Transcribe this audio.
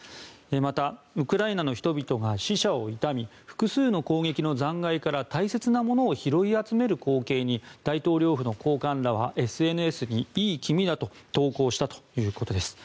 また、ウクライナの人々が死者を悼み複数の攻撃の残骸から大切なものを拾い集める光景に大統領府の高官らはＳＮＳにいい気味だと投降したということです。